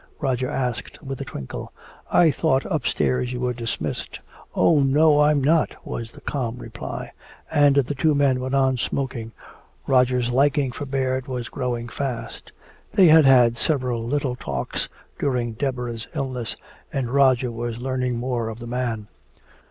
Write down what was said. Roger asked with a twinkle. "I thought upstairs you were dismissed." "Oh no, I'm not," was the calm reply. And the two men went on smoking. Roger's liking for Baird was growing fast. They had had several little talks during Deborah's illness, and Roger was learning more of the man.